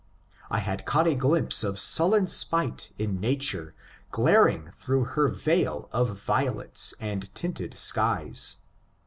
I had caught a glimpse of sullen spite in nature glaring through her veil of violets and tinted skies.